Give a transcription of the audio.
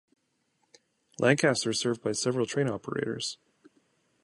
Lancaster is served by several train operators.